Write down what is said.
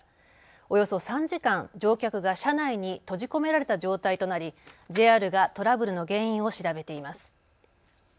およそ３時間、乗客が車内に閉じ込められた状態となりＪＲがトラブルの原因を調べています。